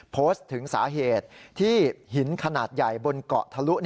โพสต์ถึงสาเหตุที่หินขนาดใหญ่บนเกาะทะลุ